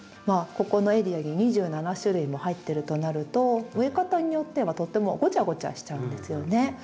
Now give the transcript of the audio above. ここのエリアに２７種類も入ってるとなると植え方によってはとてもごちゃごちゃしちゃうんですよね。